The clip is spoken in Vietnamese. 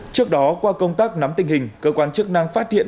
trước đó qua công tác nắm tình hình cơ quan chức năng phát hiện